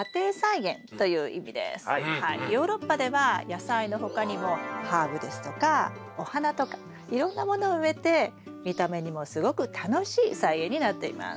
ヨーロッパでは野菜の他にもハーブですとかお花とかいろんなものを植えて見た目にもすごく楽しい菜園になっています。